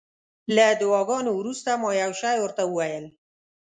له دعاګانو وروسته ما یو شی ورته وویل.